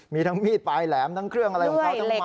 มีทั้งมีดปลายแหลมทั้งเครื่องอะไรของเขาทั้งไม้